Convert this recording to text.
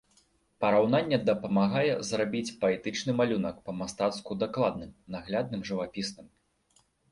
Параўнанне дапамагае зрабіць паэтычны малюнак па-мастацку дакладным, наглядным, жывапісным.